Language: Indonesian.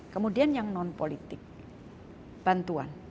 kemudian yang non politik bantuan